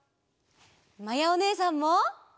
まやおねえさんも。